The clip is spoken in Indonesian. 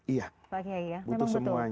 iya butuh semuanya